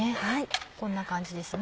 こんな感じですね。